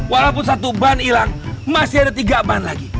walaupun satu ban hilang masih ada tiga ban lagi